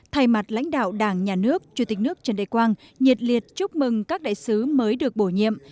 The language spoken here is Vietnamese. thay mặt lãnh đạo đảng nhà nước chủ tịch nước trần đại quang nhiệt liệt chúc mừng các đại sứ mới được bổ nhiệm